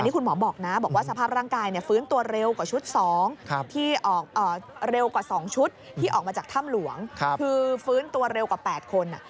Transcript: คือฟื้นตัวเร็วกว่า๘คน